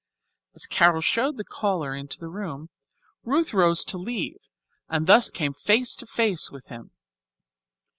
As Carol showed the caller into the room, Ruth rose to leave and thus came face to face with him.